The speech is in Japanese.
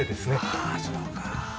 ああそうかあ。